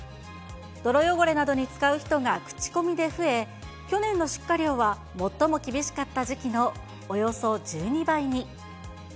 泥汚れなどに使う人が口コミで増え、去年の出荷量は最も厳しかった時期のおよそ１２倍に。